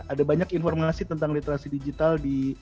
ada banyak informasi tentang literasi digital di